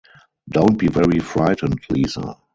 Don’t be very frightened, Lisa.